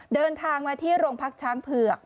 เดินทางมาที่โรงพักช้างเผือก